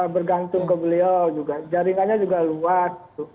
bergantung ke beliau juga jaringannya juga luas